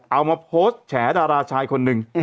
เอามาโพสต์แฉดาราชายคนหนึ่ง